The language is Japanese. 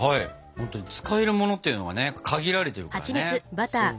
ほんと使えるものっていうのがね限られてるからね。